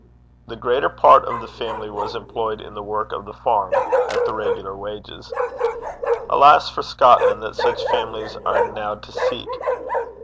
The greater part of the family was employed in the work of the farm, at the regular wages. Alas for Scotland that such families are now to seek!